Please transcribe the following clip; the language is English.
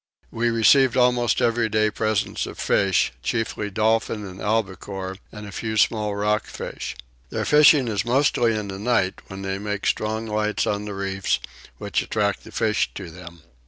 We received almost every day presents of fish, chiefly dolphin and albacore, and a few small rock fish. Their fishing is mostly in the night when they make strong lights on the reefs which attract the fish to them.